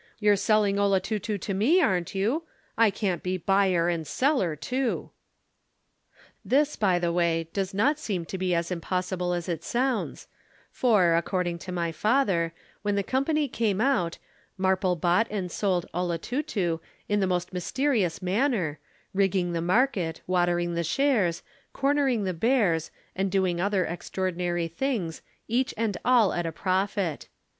You're selling 'Olotutu' to me, aren't you? I can't be buyer and seller, too." "'This, by the way, does not seem to be as impossible as it sounds for, according to my father, when the company came out, Marple bought and sold "Olotutu" in the most mysterious manner, rigging the market, watering the shares, cornering the bears, and doing other extraordinary things, each and all at a profit.